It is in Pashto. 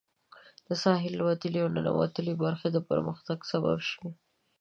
د ساحلي وتلې او ننوتلې برخې د پرمختګ سبب شوي.